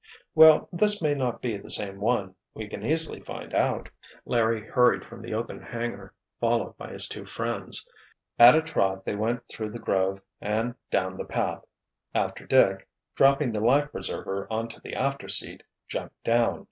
"Well, this may not be the same one—we can easily find out." Larry hurried from the open hangar, followed by his two friends. At a trot they went through the grove and down the path, after Dick, dropping the life preserver onto the after seat, jumped down.